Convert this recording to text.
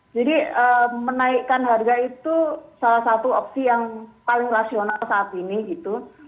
jadi menaikkan harga itu salah satu opsi yang paling rasional saat ini gitu